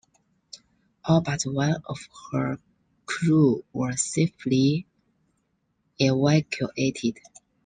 All but one of her crew were safely evacuated.